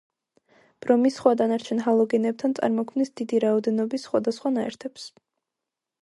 ბრომი სხვა დანარჩენ ჰალოგენებთან წარმოქმნის დიდი რაოდენობის სხვადასხვა ნაერთებს.